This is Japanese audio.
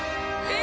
え！